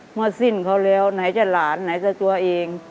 สิ้นเขาแล้วไหนจะหลานไหนจะตัวเอง